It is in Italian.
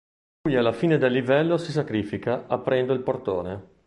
Lui alla fine del livello si sacrifica aprendo il portone.